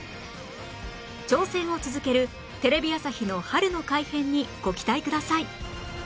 挑戦を続けるテレビ朝日の春の改編にご期待ください